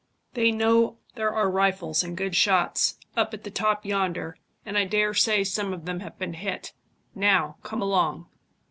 They know there are rifles, and good shots, up at the top yonder, and I dare say some of them have been hit. Now, come along."